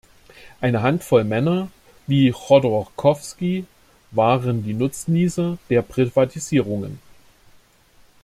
Eine Handvoll Männer wie Chodorkowski waren die Nutznießer der Privatisierungen.